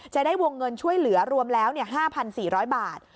จะได้วงเงินช่วยเหลือรวมแล้ว๕๔๐๐บาท